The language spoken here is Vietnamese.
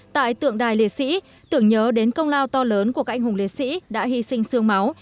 tại tượng đài liệt sĩ tưởng nhớ đến công lao to lớn của các anh hùng liệt sĩ đã hy sinh sương máu